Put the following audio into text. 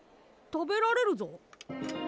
食べられるぞ！